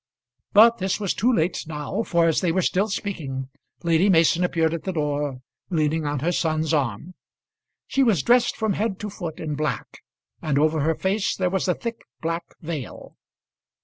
But this was too late now, for as they were still speaking Lady Mason appeared at the door, leaning on her son's arm. She was dressed from head to foot in black, and over her face there was a thick black veil.